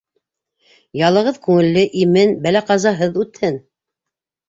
Ялығыҙ күңелле, имен, бәлә-ҡазаһыҙ үтһен!